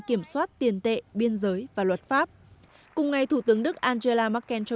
kiểm soát tiền tệ biên giới và luật pháp cùng ngày thủ tướng đức angela merkel cho